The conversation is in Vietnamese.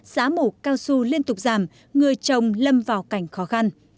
giá mù cao su liên tục giảm người trồng lâm vào cảnh khó khăn